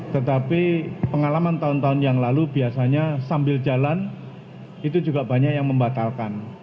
tetapi pengalaman tahun tahun yang lalu biasanya sambil jalan itu juga banyak yang membatalkan